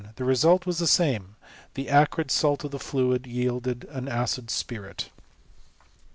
The result was the same — the acrid salt of the fluid yielded an acid spirit.